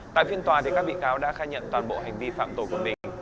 tại phiên tòa các bị cáo đã khai nhận toàn bộ hành vi phạm tội của mình